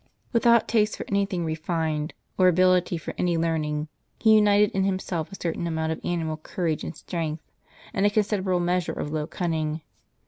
Without taste for any thing refined, or ability for any learning, he united in himself a certain amount of animal courage and strength, and a con siderable measure of low cunning.